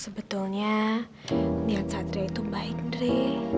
sebetulnya niat satria itu baik nire